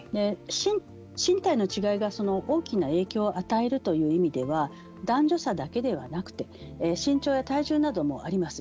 身体の違いが大きな影響を与えるという意味では男女差だけではなくて身長や体重などもあります。